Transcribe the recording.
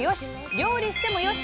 料理してもよし！